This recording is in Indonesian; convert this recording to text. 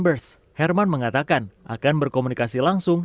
bapak rembers herman mengatakan akan berkomunikasi langsung